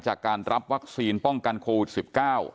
จากการรับวัคซีนป้องกันโควิด๑๙